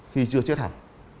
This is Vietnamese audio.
khi chưa chết hẳn